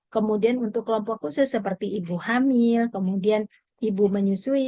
kemudian untuk kelompok khusus seperti ibu hamil kemudian ibu menyusui